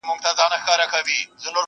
رخصتېږم تا پر خداى باندي سپارمه.!